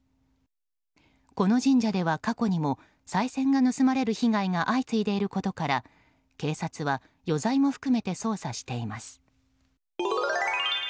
この神社では、過去にもさい銭が盗まれる被害が相次いでいることから警察は余罪も含めて捜査しています。